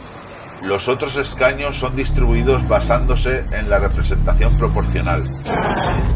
Los otros escaños son distribuidos basándose en la representación proporcional.